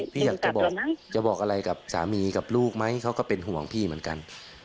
พี่อยากจะบอกจะบอกอะไรกับสามีกับลูกไหมเขาก็เป็นห่วงพี่เหมือนกัน